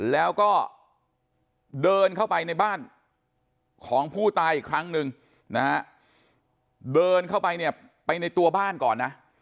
แล้วก็เดินเข้าไปในบ้านของผู้ตายอีกครั้งหนึ่งนะฮะเดินเข้าไปเนี่ยไปในตัวบ้านก่อนนะ